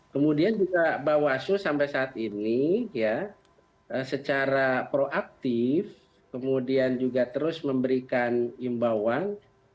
kemudian juga bawaslu sampai saat ini ya secara proaktif kemudian juga terus memberikan imbauan